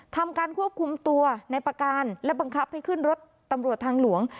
ทำการควบคุมตัวในประการและบังคับให้ขึ้นรถตำรวจทางหลวง